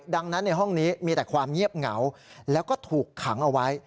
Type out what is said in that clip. ดังนั้นในห้องนี้มีแต่ความเงียบเหงาแล้วก็ถูกขังเอาไว้